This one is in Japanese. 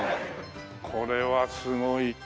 これはすごい。